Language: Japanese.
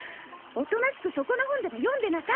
おとなしくそこの本でも読んでなさい。